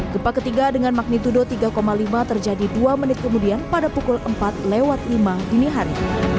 gempa ketiga dengan magnitudo tiga lima terjadi dua menit kemudian pada pukul empat lewat lima dini hari